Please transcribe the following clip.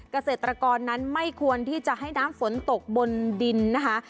เกษตรกรนั้นไม่ควรที่จะให้น้ำฝนตกบนดินนะคะ